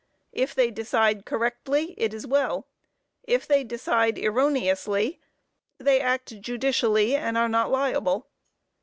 If they decide correctly, it is well; if they decide erroneously, they act judicially, and are not liable.